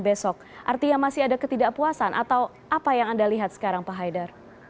berkunjung di kructia dua puluh satu